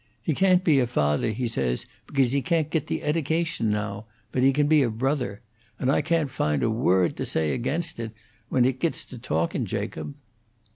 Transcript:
He can't be a Father, he says, because he can't git the eddication now; but he can be a Brother; and I can't find a word to say ag'inst it, when it gits to talkin', Jacob."